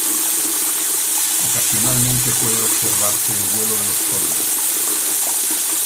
Ocasionalmente puede observarse el vuelo de los cóndores.